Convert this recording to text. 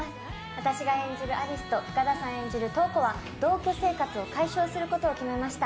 私が演じる有栖と深田さん演じる瞳子は同居を解消することを決めました。